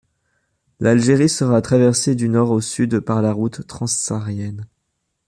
L’Algérie sera traversée du Nord au Sud par la route transsaharienne.